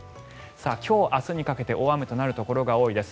今日、明日にかけて大雨になるところが多いです。